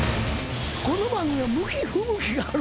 この番組は。